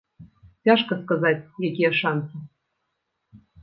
Цяжка сказаць, якія шанцы.